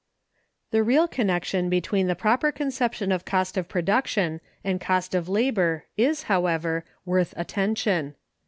The real connection between the proper conception of cost of production and cost of labor is, however, worth attention.